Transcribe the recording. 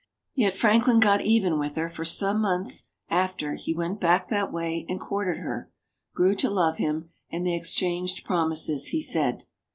Yet Franklin got even with her, for some months after, he went back that way and courted her, grew to love him, and they "exchanged promises," he says.